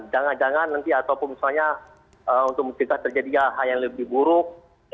jangan jangan nanti ataupun misalnya untuk mencegah terjadinya hal yang lebih buruk